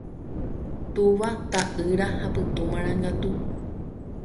Túva, ta'ýra ha Pytu marangatu.